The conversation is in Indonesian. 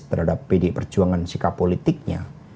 terhadap pd perjuangan sikap politiknya